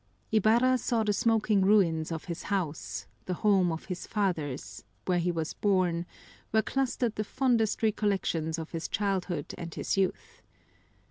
Ibarra saw the smoking ruins of his house the home of his fathers, where he was born, where clustered the fondest recollections of his childhood and his youth.